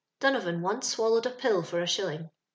Dunnovan once swallowed a pill for a shilling.